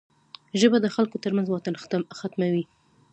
ژبه د خلکو ترمنځ واټن ختموي